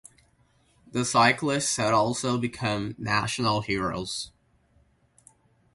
The cyclists had also become national heroes.